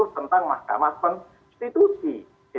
tentang mahkamah konstitusi